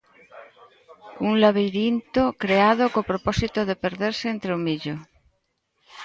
Un labirinto creado co propósito de perderse entre o millo.